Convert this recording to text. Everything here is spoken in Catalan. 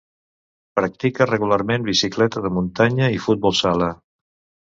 Practica regularment bicicleta de muntanya i futbol sala.